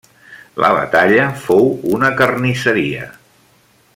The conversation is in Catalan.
La batalla fou una carnisseria.